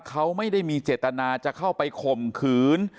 เขาไม่ได้มีเจตนาจะเข้าไปข่มขืน